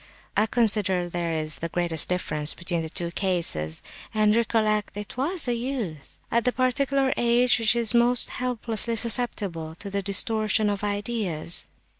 I consider there is the greatest difference between the two cases. And recollect—it was a youth, at the particular age which is most helplessly susceptible to the distortion of ideas!"